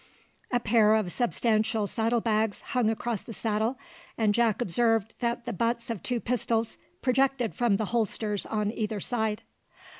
A pair of substantial saddle bags hung across the saddle, and Jack observed that the butts of two pistols projected from the holsters on either side.